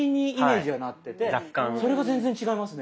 それが全然違いますね。